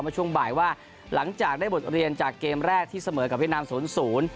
ช่วงบ่ายว่าหลังจากได้บทเรียนจากเกมแรกที่เสมอกับเวียดนามศูนย์ศูนย์